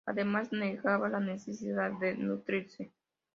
Además, negaba la necesidad de nutrirse.